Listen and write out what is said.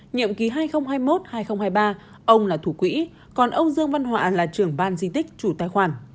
nhiệm ký hai nghìn hai mươi một hai nghìn hai mươi ba ông là thủ quỹ còn ông dương văn họa là trưởng ban di tích chủ tài khoản